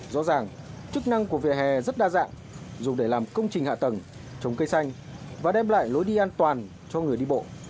rõ ràng chức năng của vỉa hè rất đa dạng dùng để làm công trình hạ tầng chống cây xanh và đem lại lối đi an toàn cho người đi bộ